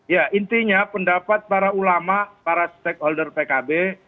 ya intinya pendapat para ulama para stakeholder pkb